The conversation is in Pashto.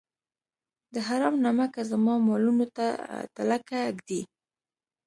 دا حرام نمکه زما مالونو ته تلکه ږدي.